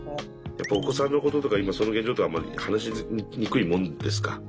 やっぱお子さんのこととか今その現状ってあんまり話しにくいもんですか？